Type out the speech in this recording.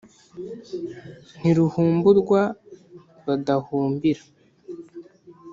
ntiruhumburwa badahumbira,